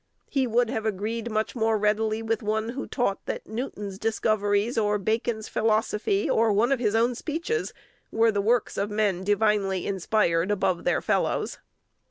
He would have agreed much more readily with one who taught that Newton's discoveries, or Bacon's philosophy, or one of his own speeches, were the works of men divinely inspired above their fellows.